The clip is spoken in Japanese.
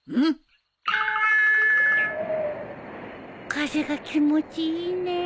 風が気持ちいいねえ。